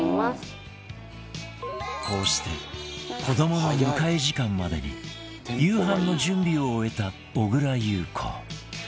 こうして子どもの迎え時間までに夕飯の準備を終えた小倉優子